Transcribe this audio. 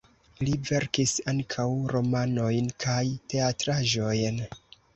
Li verkis ankaŭ romanojn kaj teatraĵojn.